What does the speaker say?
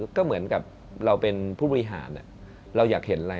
ก็เหมือนกับเราเป็นผู้บริหารเราอยากเห็นอะไร